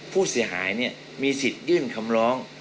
ผู้เสียหายมีสิทธิ์ยื่นคำร้อง